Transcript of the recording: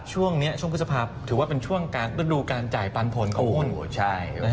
ช่วงนี้ช่วงประเภทภาพถือว่ามันเป็นช่วงคราวดูการจ่ายปัญหาผลของหุ้น